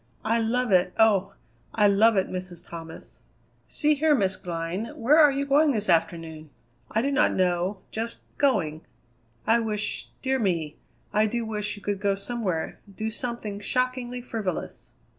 I love it, oh! I love it, Mrs. Thomas!" "See here, Miss Glynn, where are you going this afternoon?" "I do not know; just going." "I wish dear me! I do wish you could go somewhere; do something shockingly frivolous."